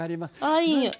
ああいい匂い。